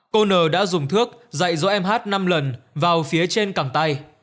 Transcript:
cô n đã dùng thước dạy dỗ em hát năm lần vào phía trên cẳng tay